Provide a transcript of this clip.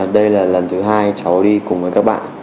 đây là lần thứ hai cháu đi cùng với các bạn